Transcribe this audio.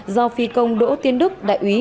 do phi công đỗ tiến đức đại úy